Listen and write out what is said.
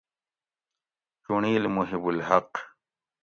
چُنڑیل: محب الحق